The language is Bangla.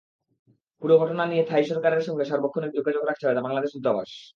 পুরো ঘটনা নিয়ে থাই সরকারের সঙ্গে সার্বক্ষণিক যোগাযোগ রাখছে বাংলাদেশ দূতাবাস।